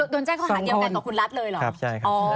โดนแจ้งข้อหาเดียวกันกับคุณรัฐเลยเหรอ